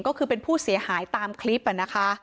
ก็คือเป็นผู้เสียหายตามคลิปนะคะ